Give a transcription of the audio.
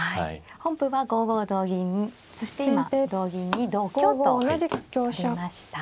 本譜は５五同銀そして今同銀に同香と取りました。